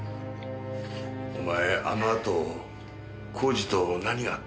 お前あのあと耕治と何があった？